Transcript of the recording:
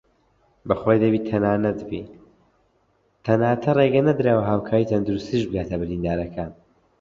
تەناتە رێگە نەدراوە هاوکاری تەندروستیش بگاتە بریندارەکان